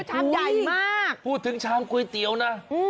ชามใหญ่มากพูดถึงชามก๋วยเตี๋ยวนะ